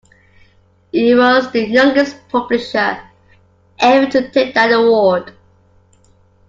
It was the youngest publisher ever to take that award.